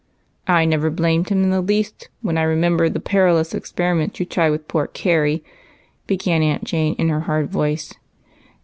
" I never blamed him in the least, when I remember the perilous experiments you tried with poor Carrie," began Mrs. Jane, in her hard voice.